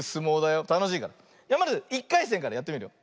まず１かいせんからやってみるよ。